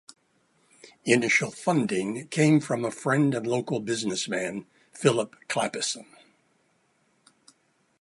Initial funding came from a friend and local business man, Philip Clappison.